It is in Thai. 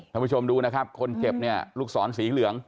ผู้ชมดูนะครับคนเจ็บเนี่ยลูกศรสีเหลือง